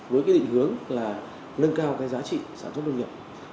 với định hướng là nâng cao giá trị sản xuất nông nghiệp